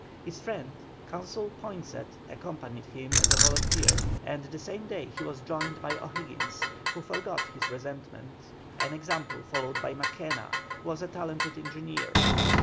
His friend, Consul Poinsett, accompanied him as a volunteer, and the same day he was joined by O'Higgins, who forgot his resentment, an example followed by Mackenna, who was a talented engineer.